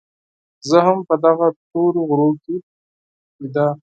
زه هم په دغه تورو غرو کې پيدا